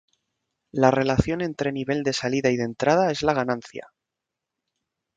La relación entre nivel de salida y de entrada es la ganancia.